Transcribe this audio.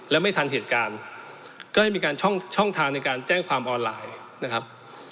และไม่ทันเหตุการณ์ก็ได้มีการช่องทางในการแจ้งความออนไลน์นะครับ